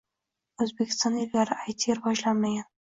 Oʻzbekistonda ilgari AyTi rivojlanmagan